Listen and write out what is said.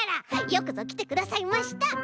よくぞきてくださいました！